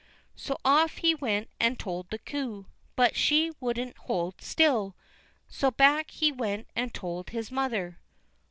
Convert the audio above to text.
So off he went and told the coo, but she wouldn't hold still, so back he went and told his mother.